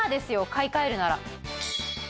買い替えるなら。